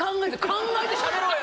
考えてしゃべろよ！